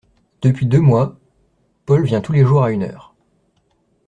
Depuis deux mois, Paul vient tous les jours à une heure…